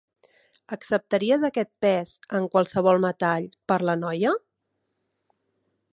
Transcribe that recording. Acceptaries aquest pes, en qualsevol metall, per la noia?